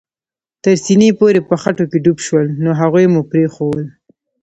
تر سېنې پورې په خټو کې ډوب شول، نو هغوی مو پرېښوول.